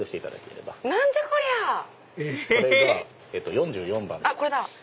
⁉４４番ですね。